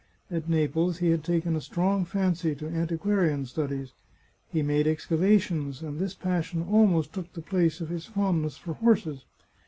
At Naples he had taken a strong fancy to antiquarian studies. He made excavations, and this passion almost took the place of his fondness for horses.